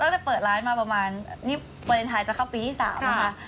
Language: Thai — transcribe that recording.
ตั้งแต่เปิดร้านมาประมาณนี่เมื่ออันท้ายจะเข้าปีที่สามนะคะ